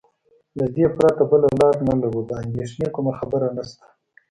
له دې پرته بله لار نه لرو، د اندېښنې کومه خبره نشته.